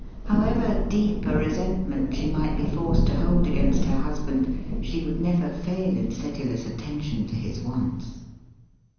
] However deep a resentment she might be forced to hold against her husband, she would never fail in sedulous attention to his wants.